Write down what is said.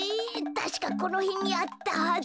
たしかこのへんにあったはず。